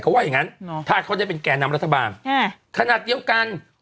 เขาว่าอย่างงั้นถ้าเขาได้เป็นแก่นำรัฐบาลขนาดเดียวกัน